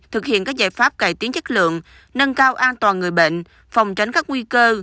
thực hiện các giải pháp cải tiến chất lượng nâng cao an toàn người bệnh phòng tránh các nguy cơ